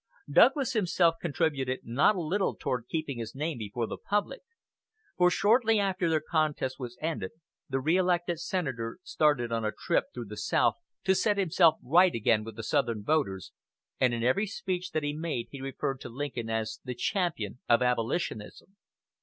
Douglas himself contributed not a little toward keeping his name before the public; for shortly after their contest was ended the reelected senator started on a trip through the South to set himself right again with the Southern voters, and in every speech that he made he referred to Lincoln as the champion of "abolitionism."